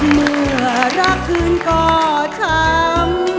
เมื่อรักคืนก็ช้ำ